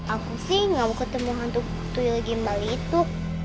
aku sih gak mau ketemu hantu tril gimbal itu